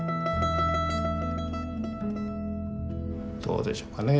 どうでしょうかね？